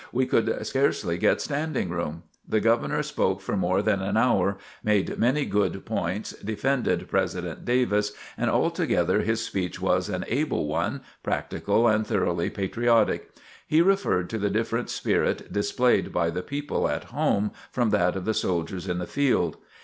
We could scarcely get standing room. The Governor spoke for more than an hour, made many good points, defended President Davis, and altogether his speech was an able one, practical and thoroughly patriotic. He referred to the different spirit displayed by the people at home from that of the soldiers in the field.